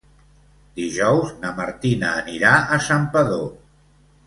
Dijous na Martina anirà a Santpedor.